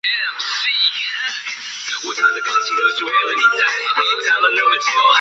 该物种的模式产地在福建。